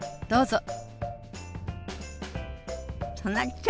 どうぞ。